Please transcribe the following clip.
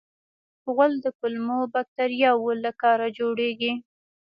غول د کولمو باکتریاوو له کاره جوړېږي.